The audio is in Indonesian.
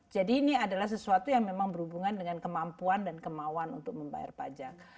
jadi ini adalah sesuatu yang memang berhubungan dengan kemampuan dan kemauan untuk membayar pajak